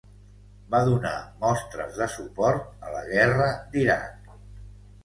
Va donar mostres de suport a la guerra d'Iraq.